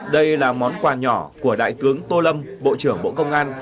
đây là món quà nhỏ của đại tướng tô lâm bộ trưởng bộ công an